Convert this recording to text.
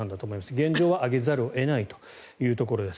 現状は上げざるを得ないというところです。